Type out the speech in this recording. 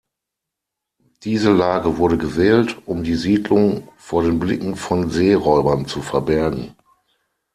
Diese Lage wurde gewählt, um die Siedlung vor den Blicken von Seeräubern zu verbergen.